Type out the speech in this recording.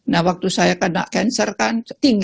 nah waktu saya kena cancer kan